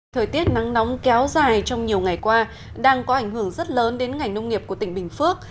thời tiết nắng nóng kéo dài trong nhiều ngày qua đang có ảnh hưởng rất lớn đến ngành nông nghiệp của tỉnh bình phước